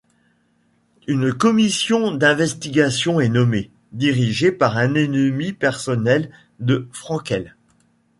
Une commission d'investigation est nommée, dirigée par un ennemi personnel de Fränkel.